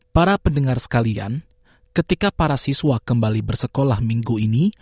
para pendengar sekalian ketika para siswa kembali bersekolah minggu ini